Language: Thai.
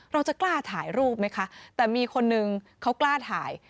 เราจะกล้าถ่ายรูปไหมคะแต่มีคนนึงเขากล้าถ่าย